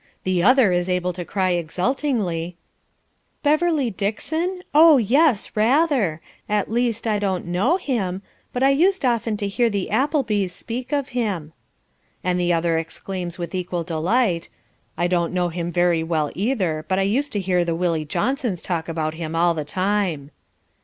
The other is able to cry exultingly "Beverley Dixon? Oh, yes, rather. At least, I don't KNOW him, but I used often to hear the Applebys speak of him." And the other exclaims with equal delight "I don't know him very well either, but I used to hear the Willie Johnsons talk about him all the time."